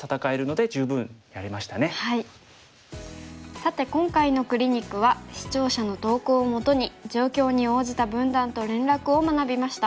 さて今回のクリニックは視聴者の投稿をもとに状況に応じた分断と連絡を学びました。